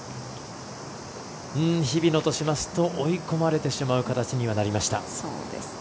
日比野としますと追い込まれてしまう形にはなりました。